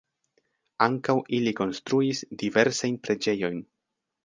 Ankaŭ ili konstruis diversajn preĝejojn.